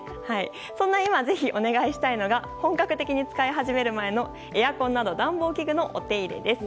そんな今ぜひお願いしたいのが本格的に使い始める前の暖房器具などのお手入れです。